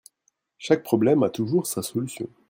Chaque problème a toujours sa solution.